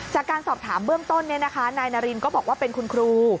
จากการสอบถามเบื้องต้นนายนารินก็บอกว่าเป็นคุณครู